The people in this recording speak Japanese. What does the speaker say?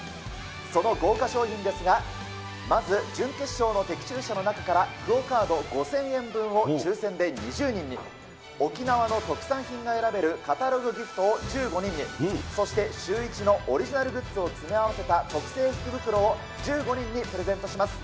その豪華商品ですが、まず準決勝の的中者の中から、ＱＵＯカード５０００円分を抽せんで２０人に、沖縄の特産品が選べるカタログギフトを１５人に、そしてシューイチのオリジナルグッズを詰め合わせた特製福袋を１５人にプレゼントします。